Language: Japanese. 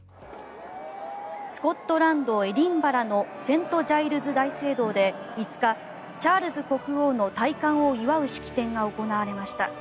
スコットランド・エディンバラのセント・ジャイルズ大聖堂で５日チャールズ国王の戴冠を祝う式典が行われました。